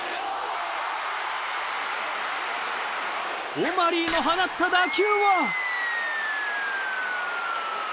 オマリーの放った打球は。